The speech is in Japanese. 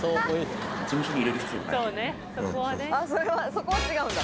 そこは違うんだ。